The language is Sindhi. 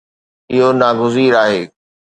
اهو ناگزير آهي